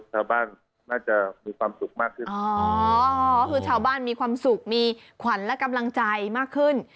ชาวบ้านน่าจะมีความสุขมากขึ้นอ๋อคือชาวบ้านมีความสุขมีขวัญและกำลังใจมากขึ้น